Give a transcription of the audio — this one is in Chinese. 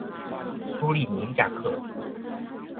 苏利尼亚克。